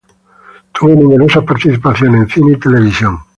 Tuvo numerosas participaciones en cine y televisión.